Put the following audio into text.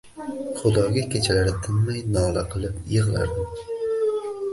Xudoga kechalari tinmay nola qilib yig`lardim